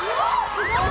・すごい！